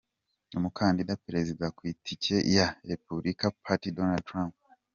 Umukandida Perezida ku itike ya Republican Party, Donald Trump